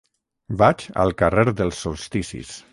Vaig al carrer dels Solsticis.